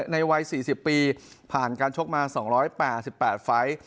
ในวัยสี่สิบปีผ่านการชกมาสองร้อยแปดสิบแปดไฟท์